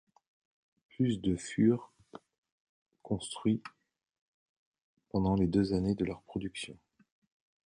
Plus de furent construits pendant les deux années de leur production.